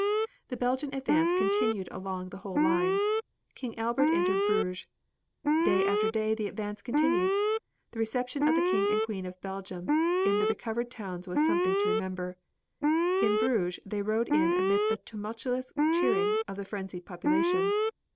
The Belgian advance continued along the whole line. King Albert entered Bruges. Day after day the advance continued. The reception of the King and Queen of Belgium in the recovered towns was something to remember. In Bruges they rode in amid the tumultuous cheering of the frenzied population.